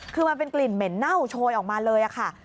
คือมันเป็นกลิ่นเหม็นเน่าโชยออกมาเลยค่ะ